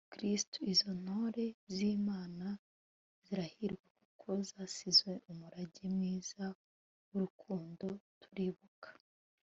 bukristu. izo ntore z'imana zirahirwa kuko zasize umurage mwiza w'urukundo. turibuka